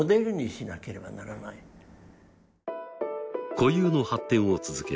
固有の発展を続け